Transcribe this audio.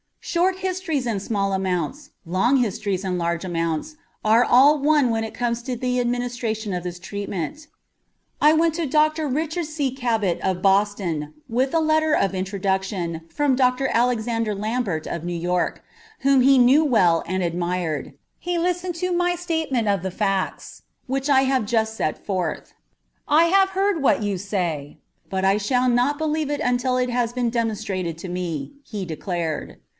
Short histories and small amounts, long histories and large amounts, are all one when it comes to the administration of this treatment. I went to Dr. Richard C. Cabot of Boston with a letter of introduction from Dr. Alexander Lambert of New York, whom he knew well and admired. He listened to my statement of the facts which I have just set forth. "I have heard what you say, but I shall not believe it until it has been demonstrated to me," he declared.